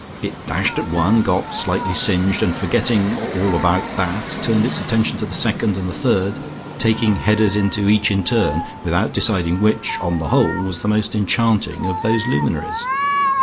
It dashed at one, got slightly singed, and forgetting all about that turned its attention to the second, and the third, taking headers into each in turn, without deciding which, on the whole, was the most enchanting of those luminaries.